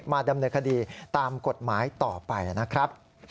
ดำเนินคดีตามกฎหมายต่อไปนะครับ